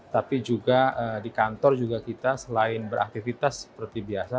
tapi juga di kantor juga kita selain beraktivitas seperti biasa